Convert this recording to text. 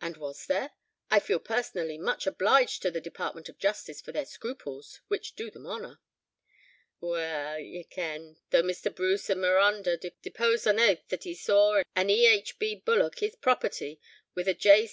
"And was there? I feel personally much obliged to the Department of Justice for their scruples, which do them honour." "Weel, ye ken, though Mr. Bruce o' Marondah deposed on aith that he saw an E.H.B. bullock, his property, with a J.